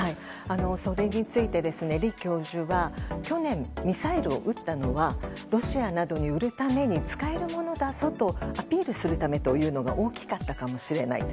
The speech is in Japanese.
それについて、李教授は去年、ミサイルを撃ったのはロシアなどに売るために使えるものだぞとアピールするためというのが大きかったかもしれない。